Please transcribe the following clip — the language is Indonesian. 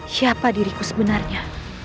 siapa diriku sebenarnya